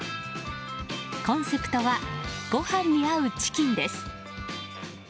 コンセプトはごはんに合うチキンです。